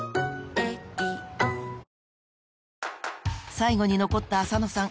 ［最後に残った浅野さん。